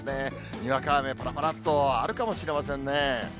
にわか雨、ぱらぱらっとあるかもしれませんね。